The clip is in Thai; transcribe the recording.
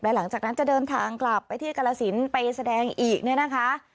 หลังจากนั้นจะเดินทางกลับไปที่กรสินไปแสดงอีกเนี่ยนะคะ